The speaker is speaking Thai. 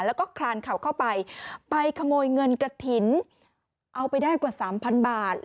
แล้วก็คลานเข่าเข้าไปไปขโมยเงินกระถิ่นเอาไปได้กว่าสามพันบาท